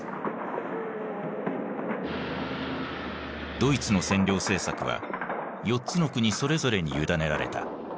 ドイツの占領政策は４つの国それぞれに委ねられた。